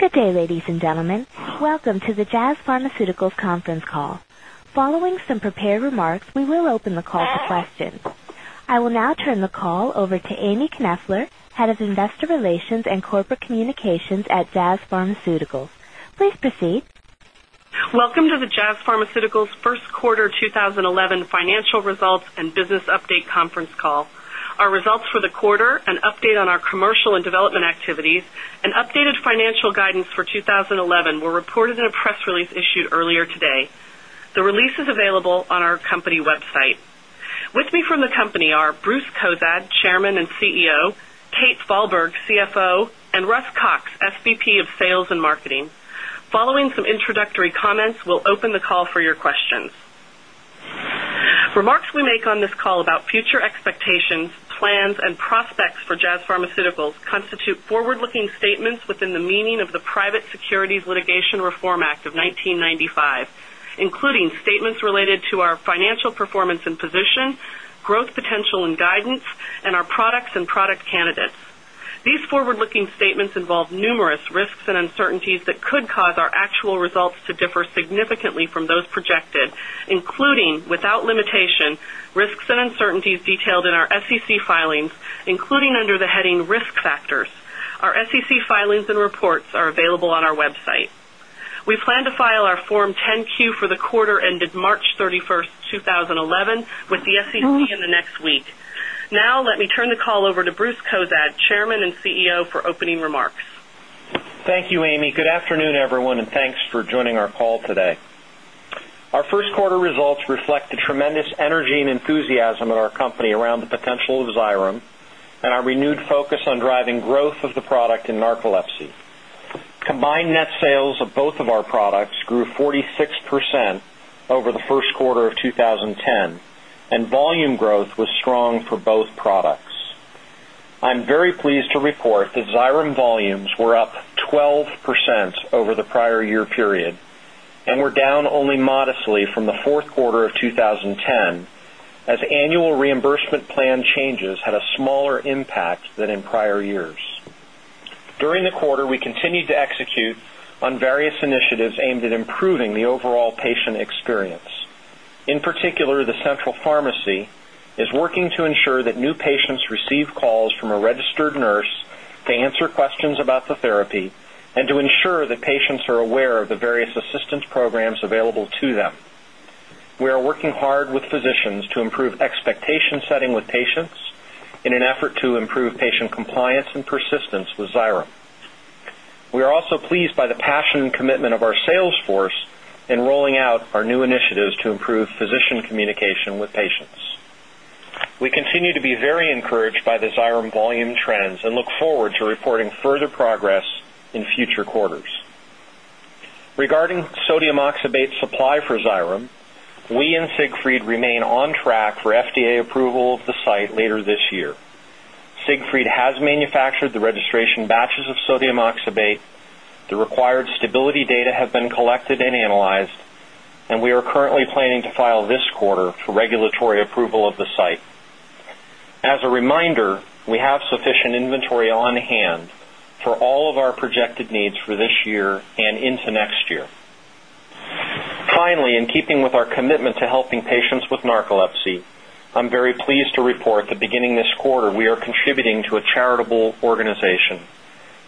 Good day, ladies and gentlemen. Welcome to the Jazz Pharmaceuticals Conference Call. Following some prepared remarks, we will open the call to questions. I will now turn the call over to Ami Knoefler, Head of Investor Relations and Corporate Communications at Jazz Pharmaceuticals. Please proceed. Welcome to the Jazz Pharmaceuticals 1st quarter 2011 financial results and business update conference call. Our results for the quarter, an update on our commercial and development activities, and updated financial guidance for 2011 were reported in a press release issued earlier today. The release is available on our company website. With me from the company are Bruce Cozadd, Chairman and CEO, Kathryn Falberg, CFO, and Russell Cox, SVP of Sales and Marketing. Following some introductory comments, we'll open the call for your questions. Remarks we make on this call about future expectations, plans, and prospects for Jazz Pharmaceuticals constitute forward-looking statements within the meaning of the Private Securities Litigation Reform Act of 1995, including statements related to our financial performance and position, growth potential and guidance, and our products and product candidates. These forward-looking statements involve numerous risks and uncertainties that could cause our actual results to differ significantly from those projected, including, without limitation, risks and uncertainties detailed in our SEC filings, including under the heading Risk Factors. Our SEC filings and reports are available on our website. We plan to file our Form 10-Q for the quarter ended March 31st, 2011 with the SEC in the next week. Now, let me turn the call over to Bruce Cozadd, Chairman and CEO, for opening remarks. Thank you, Ami. Good afternoon, everyone, and thanks for joining our call today. Our 1st quarter results reflect the tremendous energy and enthusiasm of our company around the potential of Xyrem and our renewed focus on driving growth of the product in narcolepsy. Combined net sales of both of our products grew 46% over the 1st quarter of 2010, and volume growth was strong for both products. I'm very pleased to report that Xyrem volumes were up 12% over the prior year period and were down only modestly from the 4th quarter of 2010 as annual reimbursement plan changes had a smaller impact than in prior years. During the quarter, we continued to execute on various initiatives aimed at improving the overall patient experience. In particular, the central pharmacy is working to ensure that new patients receive calls from a registered nurse to answer questions about the therapy and to ensure that patients are aware of the various assistance programs available to them. We are working hard with physicians to improve expectation setting with patients in an effort to improve patient compliance and persistence with Xyrem. We are also pleased by the passion and commitment of our sales force in rolling out our new initiatives to improve physician communication with patients. We continue to be very encouraged by the Xyrem volume trends and look forward to reporting further progress in future quarters. Regarding sodium oxybate supply for Xyrem, we and Siegfried remain on track for FDA approval of the site later this year. Siegfried has manufactured the registration batches of sodium oxybate, the required stability data have been collected and analyzed, and we are currently planning to file this quarter for regulatory approval of the site. As a reminder, we have sufficient inventory on hand for all of our projected needs for this year and into next year. Finally, in keeping with our commitment to helping patients with narcolepsy, I'm very pleased to report that beginning this quarter, we are contributing to a charitable organization,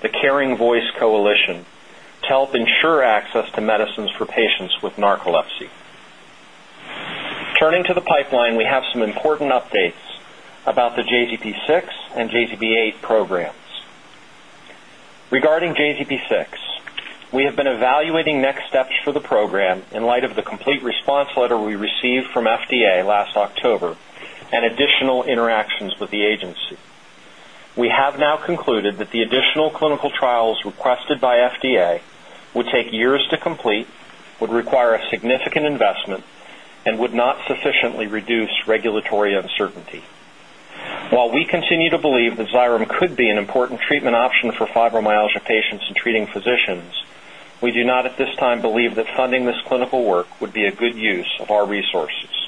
the Caring Voice Coalition, to help ensure access to medicines for patients with narcolepsy. Turning to the pipeline, we have some important updates about the JZP-6 and JZP-8 programs. Regarding JZP-6, we have been evaluating next steps for the program in light of the complete response letter we received from FDA last October and additional interactions with the agency. We have now concluded that the additional clinical trials requested by FDA would take years to complete, would require a significant investment, and would not sufficiently reduce regulatory uncertainty. While we continue to believe that Xyrem could be an important treatment option for fibromyalgia patients and treating physicians, we do not, at this time, believe that funding this clinical work would be a good use of our resources.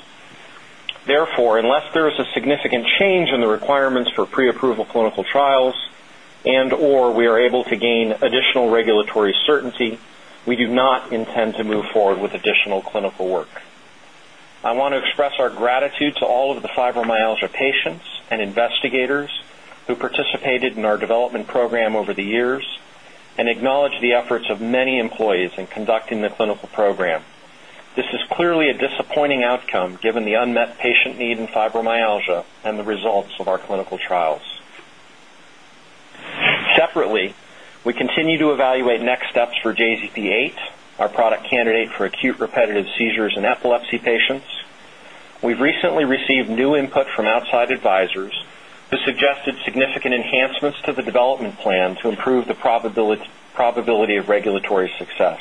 Therefore, unless there is a significant change in the requirements for pre-approval clinical trials and/or we are able to gain additional regulatory certainty, we do not intend to move forward with additional clinical work. I want to express our gratitude to all of the fibromyalgia patients and investigators who participated in our development program over the years and acknowledge the efforts of many employees in conducting the clinical program. This is clearly a disappointing outcome given the unmet patient need in fibromyalgia and the results of our clinical trials. Separately, we continue to evaluate next steps for JZP-8, our product candidate for acute repetitive seizures in epilepsy patients. We've recently received new input from outside advisors that suggested significant enhancements to the development plan to improve the probability of regulatory success.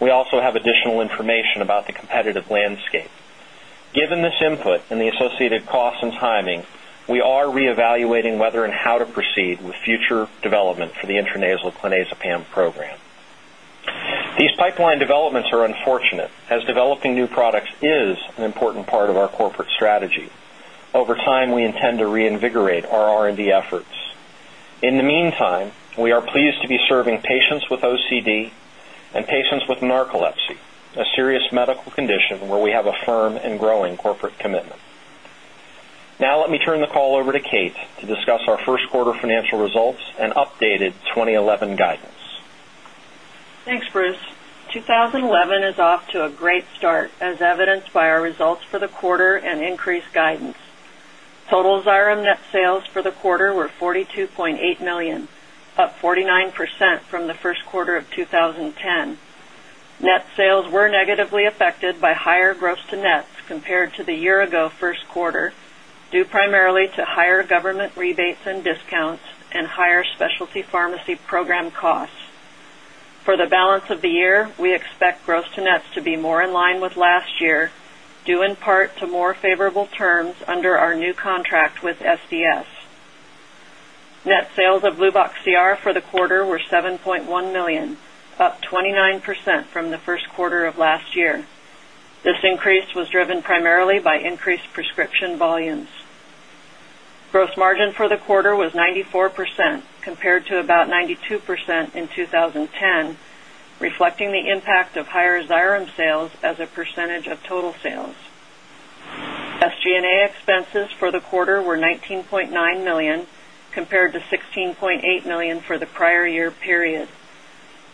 We also have additional information about the competitive landscape. Given this input and the associated cost and timing, we are reevaluating whether and how to proceed with future development for the intranasal clonazepam program. These pipeline developments are unfortunate, as developing new products is an important part of our corporate strategy. Over time, we intend to reinvigorate our R&D efforts. In the meantime, we are pleased to be serving patients with OCD and patients with narcolepsy, a serious medical condition where we have a firm and growing corporate commitment. Now let me turn the call over to Kate to discuss our 1st quarter financial results and updated 2011 guidance. Thanks, Bruce. 2011 is off to a great start, as evidenced by our results for the quarter and increased guidance. Total Xyrem net sales for the quarter were $42.8 million, up 49% from the 1st quarter of 2010. Net sales were negatively affected by higher gross to nets compared to the year-ago 1st quarter, due primarily to higher government rebates and discounts and higher specialty pharmacy program costs. For the balance of the year, we expect gross to nets to be more in line with last year, due in part to more favorable terms under our new contract with SDS. Net sales of Luvox CR for the quarter were $7.1 million, up 29% from the 1st quarter of last year. This increase was driven primarily by increased prescription volumes. Gross margin for the quarter was 94%, compared to about 92% in 2010, reflecting the impact of higher Xyrem sales as a percentage of total sales. SG&A expenses for the quarter were $19.9 million, compared to $16.8 million for the prior year period.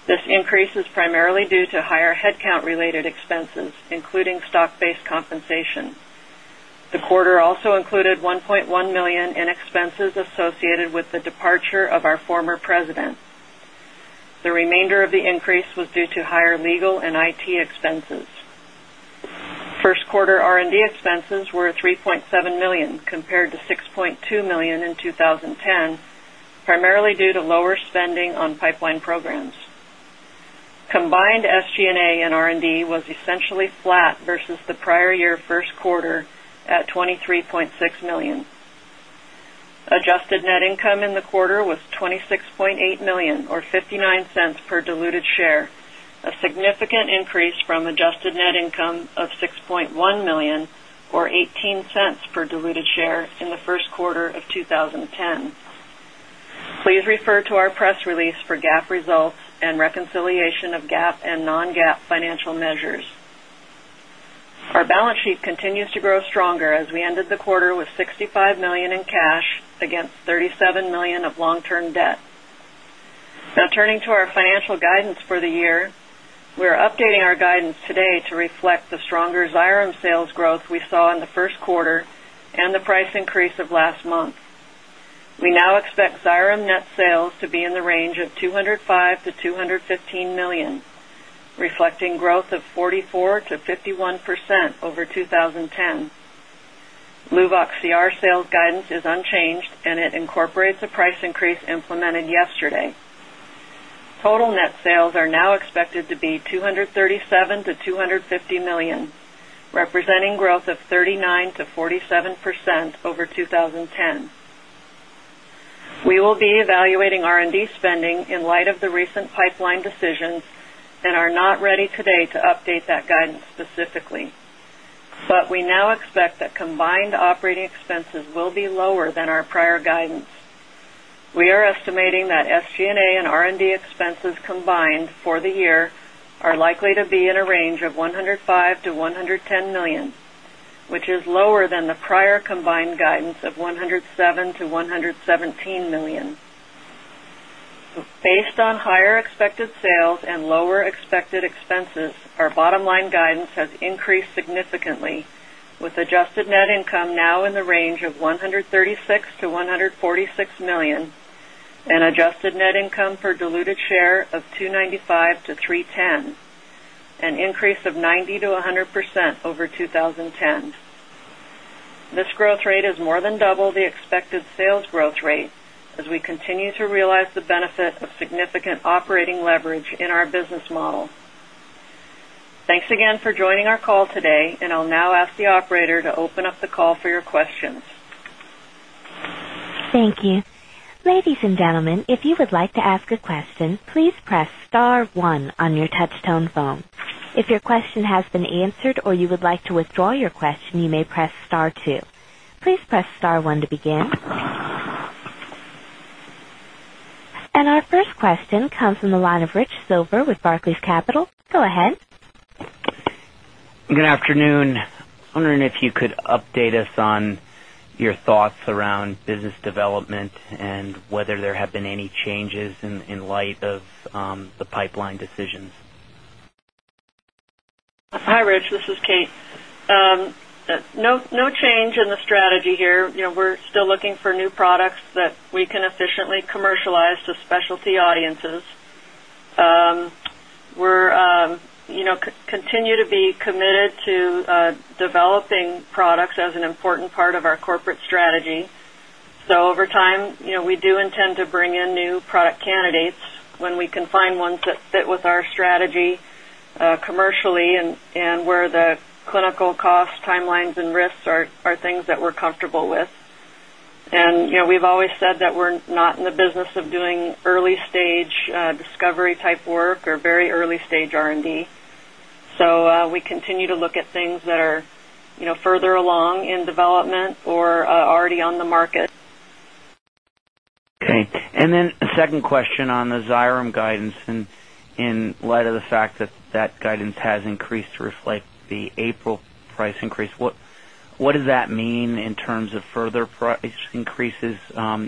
This increase is primarily due to higher headcount-related expenses, including stock-based compensation. The quarter also included $1.1 million in expenses associated with the departure of our former president. The remainder of the increase was due to higher legal and IT expenses. First quarter R&D expenses were $3.7 million, compared to $6.2 million in 2010, primarily due to lower spending on pipeline programs. Combined SG&A and R&D was essentially flat versus the prior year 1st quarter at $23.6 million. Adjusted net income in the quarter was $26.8 million, or $0.59 per diluted share, a significant increase from adjusted net income of $6.1 million, or $0.18 per diluted share in the 1st quarter of 2010. Please refer to our press release for GAAP results and reconciliation of GAAP and non-GAAP financial measures. Our balance sheet continues to grow stronger as we ended the quarter with $65 million in cash against $37 million of long-term debt. Now, turning to our financial guidance for the year. We're updating our guidance today to reflect the stronger Xyrem sales growth we saw in the 1st quarter and the price increase of last month. We now expect Xyrem net sales to be in the range of $205 million-$215 million, reflecting growth of 44%-51% over 2010. Luvox CR sales guidance is unchanged, and it incorporates the price increase implemented yesterday. Total net sales are now expected to be $237 million-$250 million, representing growth of 39%-47% over 2010. We will be evaluating R&D spending in light of the recent pipeline decisions and are not ready today to update that guidance specifically. We now expect that combined operating expenses will be lower than our prior guidance. We are estimating that SG&A and R&D expenses combined for the year are likely to be in a range of $105 million-$110 million, which is lower than the prior combined guidance of $107 million-$117 million. Based on higher expected sales and lower expected expenses, our bottom-line guidance has increased significantly, with adjusted net income now in the range of $136 million-$146 million and adjusted net income per diluted share of $2.95-$3.10, an increase of 90%-100% over 2010. This growth rate is more than double the expected sales growth rate as we continue to realize the benefit of significant operating leverage in our business model. Thanks again for joining our call today, and I'll now ask the operator to open up the call for your questions. Thank you. Ladies and gentlemen, if you would like to ask a question, please press star one on your touchtone phone. If your question has been answered or you would like to withdraw your question, you may press star two. Please press star one to begin. Our 1st question comes from the line of Rich Silver with Barclays Capital. Go ahead. Good afternoon. I'm wondering if you could update us on your thoughts around business development and whether there have been any changes in light of the pipeline decisions. Hi, Rich. This is Kate. No change in the strategy here. You know, we're still looking for new products that we can efficiently commercialize to specialty audiences. We're, you know, continue to be committed to developing products as an important part of our corporate strategy. Over time, you know, we do intend to bring in new product candidates when we can find ones that fit with our strategy, commercially and where the clinical costs, timelines, and risks are things that we're comfortable with. You know, we've always said that we're not in the business of doing early stage discovery type work or very early stage R&D. We continue to look at things that are, you know, further along in development or already on the market. Okay. A 2nd question on the Xyrem guidance, in light of the fact that guidance has increased to reflect the April price increase. What does that mean in terms of further price increases,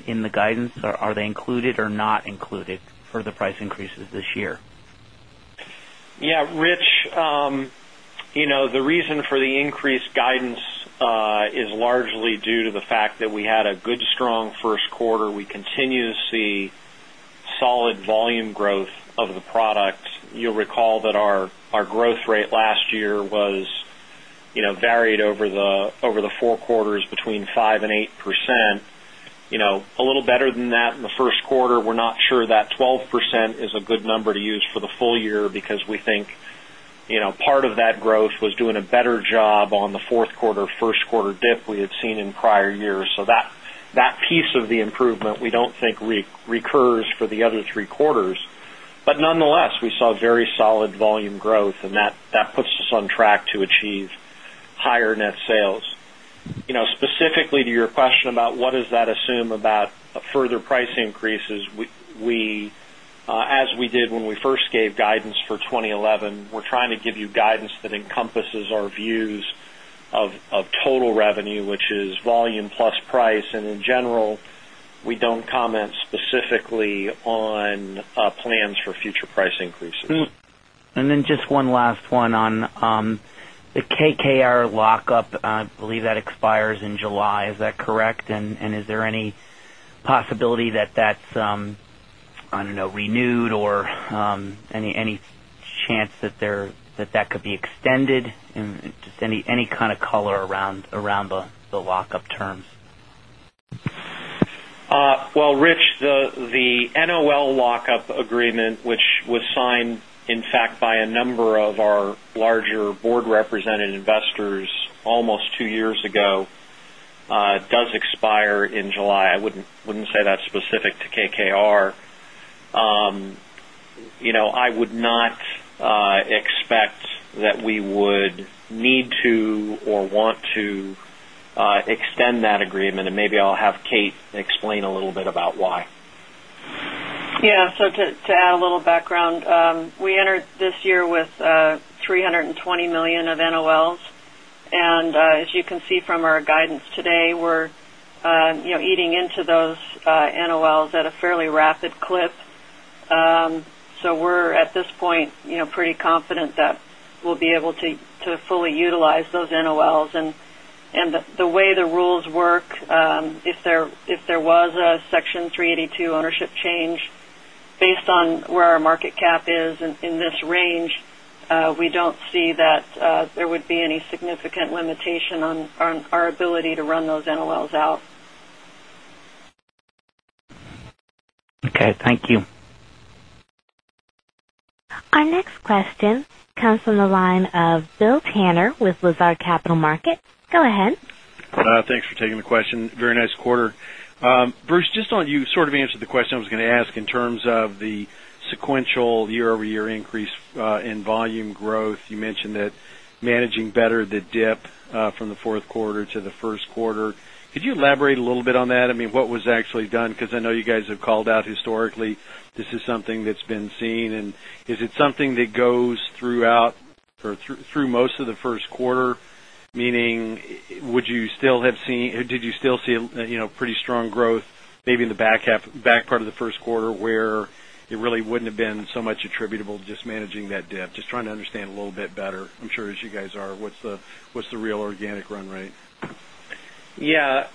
in the guidance? Are they included or not included, further price increases this year? Yeah, Rich, you know, the reason for the increased guidance is largely due to the fact that we had a good, strong 1st quarter. We continue to see solid volume growth of the products. You'll recall that our growth rate last year was, you know, varied over the four quarters between 5%-8%. You know, a little better than that in the 1st quarter. We're not sure that 12% is a good number to use for the full year because we think, you know, part of that growth was doing a better job on the 4th quarter, 1st quarter dip we had seen in prior years. So that piece of the improvement, we don't think recurs for the other three quarters. But nonetheless, we saw very solid volume growth, and that puts us on track to achieve higher net sales. You know, specifically to your question about what does that assume about further price increases, as we did when we 1st gave guidance for 2011, we're trying to give you guidance that encompasses our views of total revenue, which is volume plus price. In general, we don't comment specifically on plans for future price increases. Just one last one on the KKR lockup. I believe that expires in July. Is that correct? Is there any possibility that that's, I don't know, renewed or any chance that that could be extended? Just any kind of color around the lockup terms. Well, Rich, the NOL lockup agreement, which was signed, in fact, by a number of our larger board represented investors almost two years ago, does expire in July. I wouldn't say that's specific to KKR. You know, I would not expect that we would need to or want to extend that agreement. Maybe I'll have Kate explain a little bit about why. Yeah. To add a little background, we entered this year with $320 million of NOLs. As you can see from our guidance today, we're, you know, eating into those NOLs at a fairly rapid clip. We're at this point, you know, pretty confident that we'll be able to fully utilize those NOLs. The way the rules work, if there was a Section 382 ownership change based on where our market cap is in this range, we don't see that there would be any significant limitation on our ability to run those NOLs out. Okay. Thank you. Our next question comes from the line of Bill Tanner with Lazard Capital Markets. Go ahead. Thanks for taking the question. Very nice quarter. Bruce, just on you sort of answered the question I was gonna ask in terms of the sequential year-over-year increase in volume growth. You mentioned that managing better the dip from the 4th quarter to the 1st quarter. Could you elaborate a little bit on that? I mean, what was actually done? 'Cause I know you guys have called out historically this is something that's been seen. Is it something that goes throughout or through most of the 1st quarter? Meaning, would you still have seen, Did you still see, you know, pretty strong growth maybe in the back half, back part of the 1st quarter where it really wouldn't have been so much attributable to just managing that dip? Just trying to understand a little bit better, I'm sure as you guys are, what's the real organic run rate? Yeah.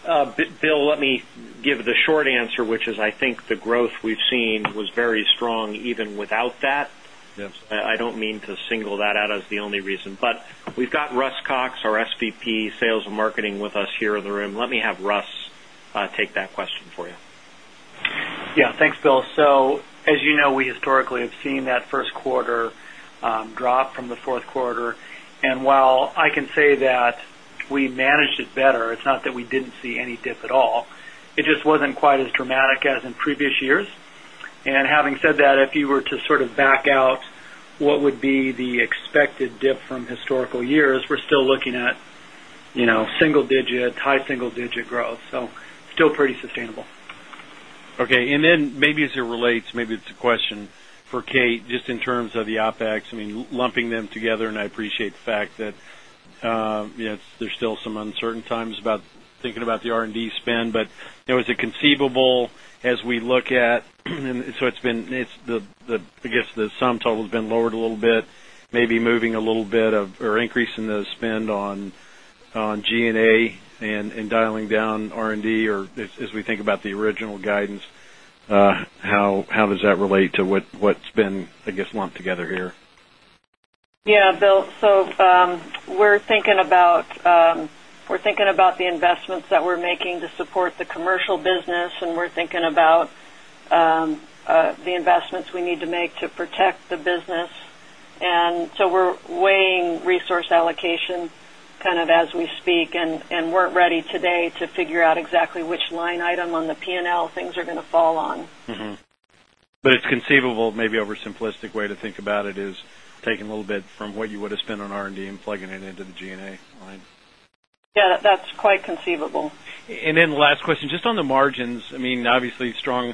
Bill, let me give the short answer, which is, I think the growth we've seen was very strong even without that. Yes. I don't mean to single that out as the only reason, but we've got Russell Cox, our SVP Sales and Marketing, with us here in the room. Let me have Russ take that question for you. Yeah. Thanks, Bill. As you know, we historically have seen that 1st quarter drop from the 4th quarter. While I can say that we managed it better, it's not that we didn't see any dip at all. It just wasn't quite as dramatic as in previous years. Having said that, if you were to sort of back out what would be the expected dip from historical years, we're still looking at single digit, high single digit growth, so still pretty sustainable. Okay. Maybe as it relates, maybe it's a question for Kate, just in terms of the OpEx. I mean, lumping them together, and I appreciate the fact that, you know, there's still some uncertain times about thinking about the R&D spend. But, you know, is it conceivable as we look at the sum total's been lowered a little bit, maybe moving a little bit of or increasing the spend on G&A and dialing down R&D or as we think about the original guidance, how does that relate to what's been, I guess, lumped together here? Yeah, Bill. We're thinking about the investments that we're making to support the commercial business, and the investments we need to make to protect the business. We're weighing resource allocation kind of as we speak, and we're ready today to figure out exactly which line item on the P&L things are gonna fall on. It's conceivable, maybe overly simplistic way to think about it, is taking a little bit from what you would have spent on R&D and plugging it into the G&A line. Yeah, that's quite conceivable. Then last question, just on the margins, I mean, obviously strong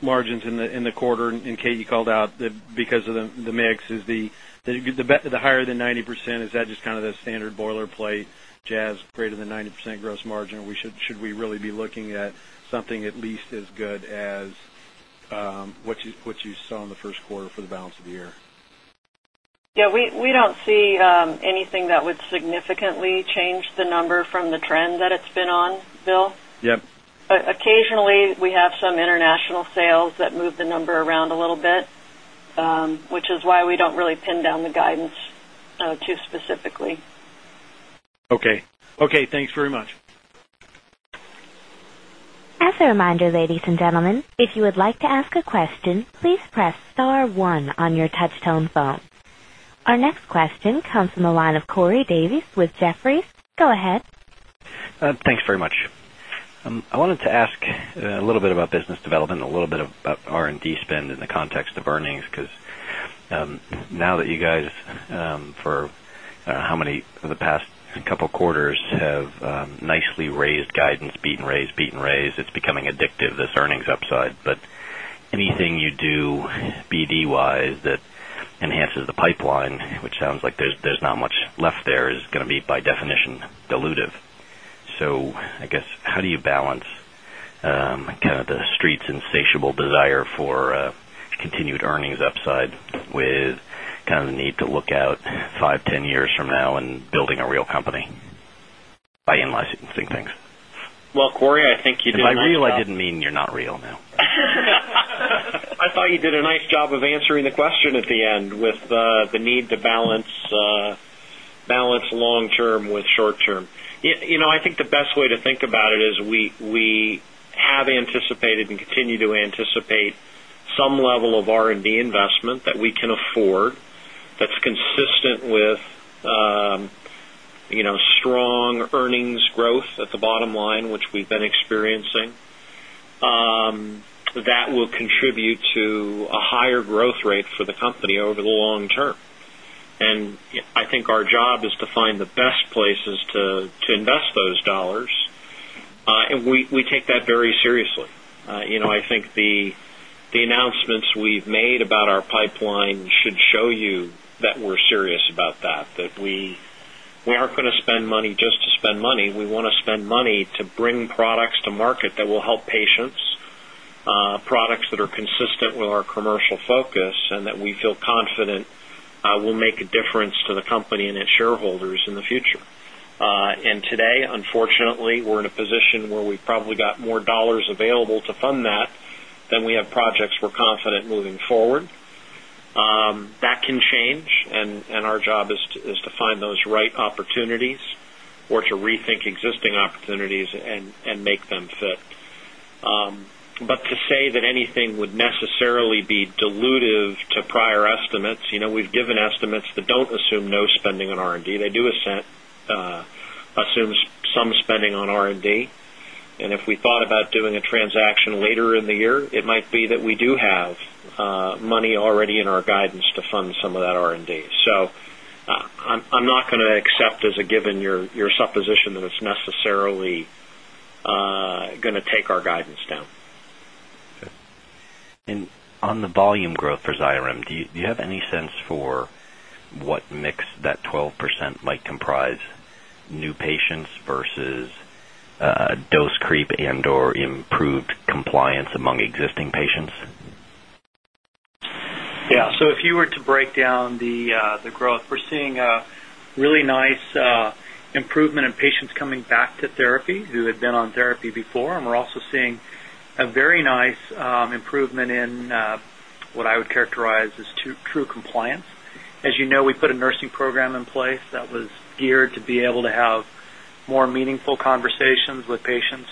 margins in the quarter. Kate called out that because of the mix, it's higher than 90%, is that just kinda the standard boilerplate, Jazz greater than 90% gross margin? Should we really be looking at something at least as good as what you saw in the 1st quarter for the balance of the year? Yeah. We don't see anything that would significantly change the number from the trend that it's been on, Bill. Yep. Occasionally, we have some international sales that move the number around a little bit, which is why we don't really pin down the guidance too specifically. Okay. Okay, thanks very much. As a reminder, ladies and gentlemen, if you would like to ask a question, please press star one on your touch tone phone. Our next question comes from the line of Corey Davis with Jefferies. Go ahead. Thanks very much. I wanted to ask a little bit about business development and a little bit about R&D spend in the context of earnings, 'cause now that you guys for the past couple quarters have nicely raised guidance, beat and raised, it's becoming addictive, this earnings upside. Anything you do BD-wise that enhances the pipeline, which sounds like there's not much left there, is gonna be by definition dilutive. I guess how do you balance kinda the Street's insatiable desire for continued earnings upside with kind of the need to look out five, 10 years from now and building a real company by in-licensing things? Well, Corey, I think you did. By real, I didn't mean you're not real, no. I thought you did a nice job of answering the question at the end with the need to balance long term with short term. You know, I think the best way to think about it is we have anticipated and continue to anticipate some level of R&D investment that we can afford that's consistent with you know, strong earnings growth at the bottom line, which we've been experiencing, that will contribute to a higher growth rate for the company over the long term. I think our job is to find the best places to invest those dollars. We take that very seriously. You know, I think the announcements we've made about our pipeline should show you that we're serious about that we aren't gonna spend money just to spend money. We wanna spend money to bring products to market that will help patients, products that are consistent with our commercial focus and that we feel confident will make a difference to the company and its shareholders in the future. Today, unfortunately, we're in a position where we've probably got more dollars available to fund that than we have projects we're confident moving forward. That can change, and our job is to find those right opportunities or to rethink existing opportunities and make them fit. To say that anything would necessarily be dilutive to prior estimates, you know, we've given estimates that don't assume no spending on R&D. They do assume some spending on R&D. If we thought about doing a transaction later in the year, it might be that we do have money already in our guidance to fund some of that R&D. I'm not gonna accept as a given your supposition that it's necessarily gonna take our guidance down. On the volume growth for Xyrem, do you have any sense for what mix that 12% might comprise new patients versus dose creep and/or improved compliance among existing patients? Yeah. If you were to break down the growth, we're seeing a really nice improvement in patients coming back to therapy who had been on therapy before. We're also seeing a very nice improvement in what I would characterize as true compliance. As you know, we put a nursing program in place that was geared to be able to have more meaningful conversations with patients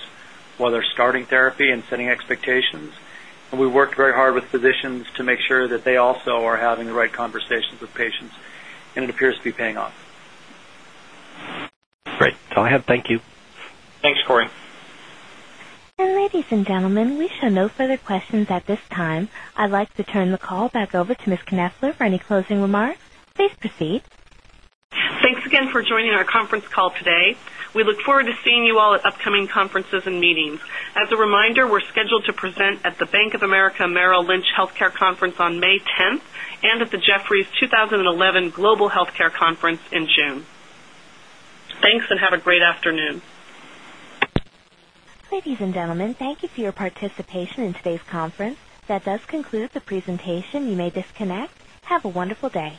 while they're starting therapy and setting expectations. We worked very hard with physicians to make sure that they also are having the right conversations with patients, and it appears to be paying off. Great. That's all I have. Thank you. Thanks, Corey. Ladies and gentlemen, we have no further questions at this time. I'd like to turn the call back over to Ms. Knoefler for any closing remarks. Please proceed. Thanks again for joining our conference call today. We look forward to seeing you all at upcoming conferences and meetings. As a reminder, we're scheduled to present at the Bank of America Merrill Lynch Health Care Conference on May 10th and at the Jefferies 2011 Global Healthcare Conference in June. Thanks, and have a great afternoon. Ladies and gentlemen, thank you for your participation in today's conference. That does conclude the presentation. You may disconnect. Have a wonderful day.